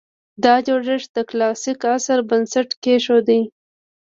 دا جوړښت د کلاسیک عصر بنسټ کېښود